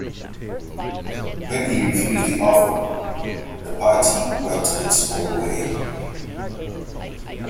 When he refused the offer, the party went its own way.